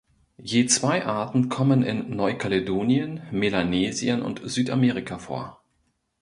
Je zwei Arten kommen in Neukaledonien, Melanesien und Südamerika vor.